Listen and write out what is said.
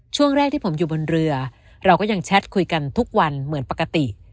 ช่วงแรกที่ผมอยู่บนเรือเราก็ยังแชทคุยกันทุกวันเหมือนปกติ